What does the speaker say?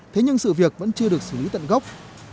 thế nhưng sự việc vẫn chưa được xử lý tận gốc